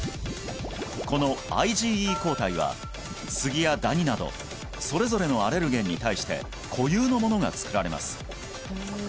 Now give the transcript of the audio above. このＩｇＥ抗体はスギやダニなどそれぞれのアレルゲンに対して固有のものが作られます